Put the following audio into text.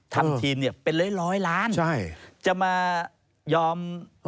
ทำทีมเนี่ยเป็นร้อยร้อยล้านใช่จะมายอม